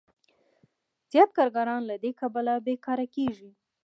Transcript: زیات کارګران له دې کبله بېکاره کېږي